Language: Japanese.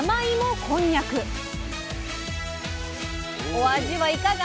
お味はいかが？